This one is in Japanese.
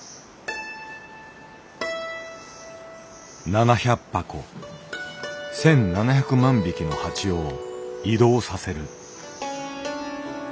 ７００箱１，７００万匹の蜂を移動させる。